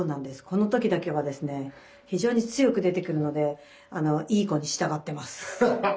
この時だけはですね非常に強く出てくるのでいい子に従ってます。